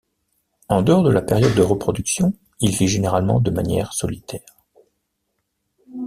En dehors de la période de reproduction, il vit généralement de manière solitaire.